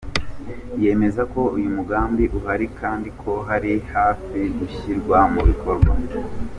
Yemeza ko uyu mugambi uhari kandi ko uri hafi gushyirwa mu bikorwa.